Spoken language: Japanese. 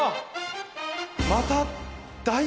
また。